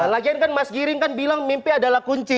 lagian kan mas giring kan bilang mimpi adalah kunci